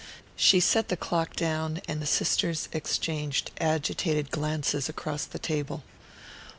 She set the clock down, and the sisters exchanged agitated glances across the table.